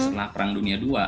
setelah perang dunia ii